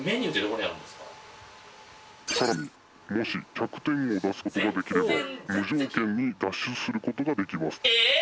☎さらにもし１００点を出すことができれば☎無条件に脱出することができますえっ！？